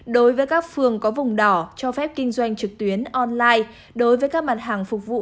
đối với các phường có vùng đỏ cho phép kinh doanh trực tuyến online đối với các mặt hàng phục vụ